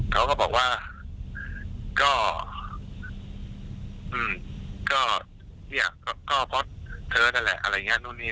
เขาก็บอกว่าก็อืมก็เนี้ยก็เพราะเธอนั่นแหละอะไรอย่างเงี้ย